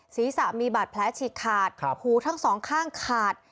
ศีรษะมีบาดแผลฉีกขาดหูทั้งสองข้างขาด